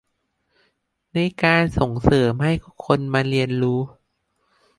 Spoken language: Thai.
ในการส่งเสริมให้ทุกคนมาเรียนรู้